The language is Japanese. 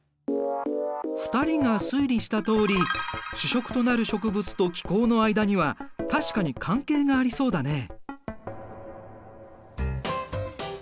２人が推理したとおり主食となる植物と気候の間には確かに関係がありそうだね。